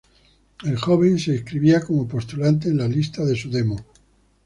El joven se inscribía como postulante en la lista de su demo.